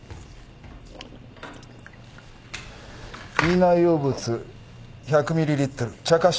胃内容物１００ミリリットル茶褐色液。